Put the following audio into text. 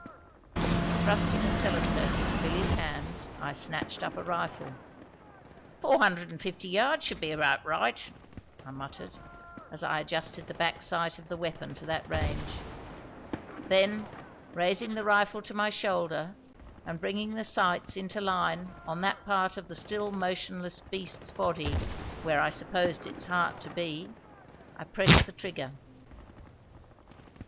And, thrusting the telescope into Billy's hands, I snatched up a rifle. "Four hundred and fifty yards should be about right," I muttered as I adjusted the back sight of the weapon to that range; then, raising the rifle to my shoulder and bringing the sights into line on that part of the still motionless beast's body where I supposed its heart to be, I pressed the trigger.